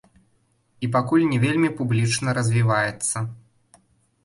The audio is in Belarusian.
І пакуль не вельмі публічна развіваецца.